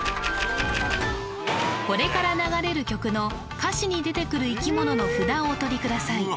これから流れる曲の歌詞に出てくる生き物の札をおとりください